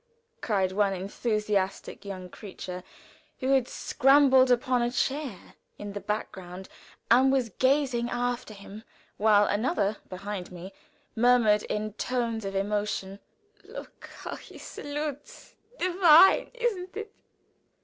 cried one enthusiastic young creature, who had scrambled upon a chair in the background and was gazing after him while another, behind me, murmured in tones of emotion: "Look how he salutes divine, isn't it?"